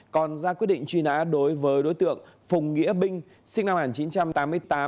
còn ra quyết định truy nã đối với đối tượng phùng nghĩa binh sinh năm một nghìn chín trăm tám mươi tám